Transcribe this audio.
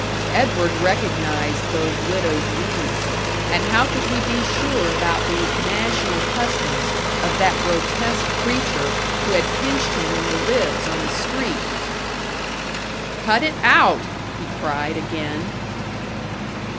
Edward recognised those widow's weeds. And how could he be sure about the "national customs" of that grotesque creature who had pinched him in the ribs on the street? "Cut it out!" he cried again.